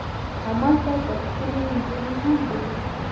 همالته به ښکلې نجونې هم وي.